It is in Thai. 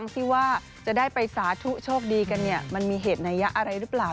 ที่ว่าจะได้ไปสาธุโชคดีกันเนี่ยมันมีเหตุนัยยะอะไรหรือเปล่า